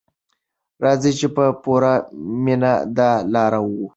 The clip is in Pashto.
راځئ چې په پوره مینه دا لاره ووهو.